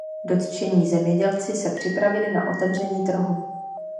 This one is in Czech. Dotčení zemědělci se připravili na otevření trhu.